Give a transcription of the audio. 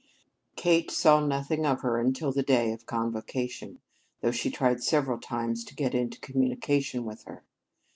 Kate saw nothing of her until the day of convocation, though she tried several times to get into communication with her.